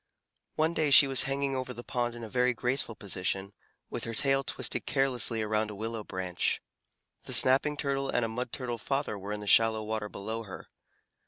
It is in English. One day she was hanging over the pond in a very graceful position, with her tail twisted carelessly around a willow branch. The Snapping Turtle and a Mud Turtle Father were in the shallow water below her.